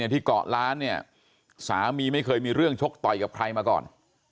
ที่เกาะล้านเนี่ยสามีไม่เคยมีเรื่องชกต่อยกับใครมาก่อน